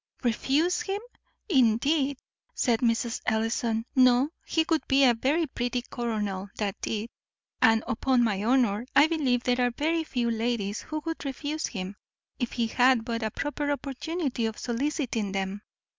"Refuse him, indeed!" said Mrs. Ellison; "no; he would be a very pretty colonel that did. And, upon my honour, I believe there are very few ladies who would refuse him, if he had but a proper opportunity of soliciting them.